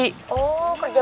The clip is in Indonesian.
oh kerja bakti